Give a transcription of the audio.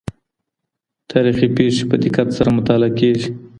تاریخي پېښې په دقت سره مطالعه کیږي.